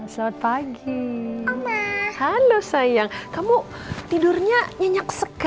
sama sama ya